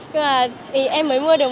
nhưng mà em mới mua được